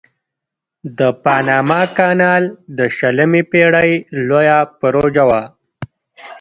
د پاناما کانال د شلمې پیړۍ لویه پروژه وه.